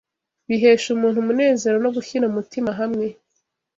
bihesha umuntu umunezero no gushyira umutima hamwe